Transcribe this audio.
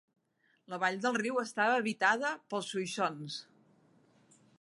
La vall del riu estava habitada pels xoixons.